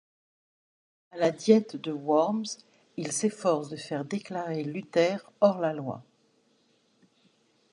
À la Diète de Worms, il s'efforce de faire déclarer Luther hors la loi.